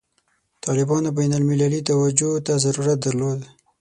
طالبانو بین المللي توجه ته ضرورت درلود.